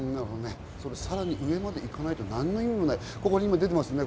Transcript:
さらに上まで行かないと何の意味もない、ここに出てますね。